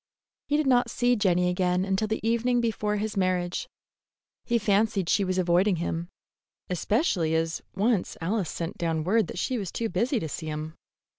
He did not see Jenny again until the evening before his marriage. He fancied she was avoiding him, especially as once Alice sent down word that she was too busy to see him.